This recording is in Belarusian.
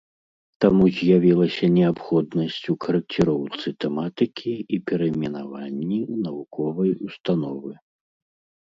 Таму з'явілася неабходнасць у карэкціроўцы тэматыкі і перайменаванні навуковай установы.